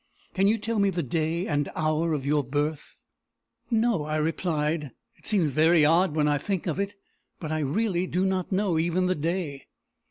Can you tell me the day and hour of your birth?" "No," I replied. "It seems very odd when I think of it, but I really do not know even the day."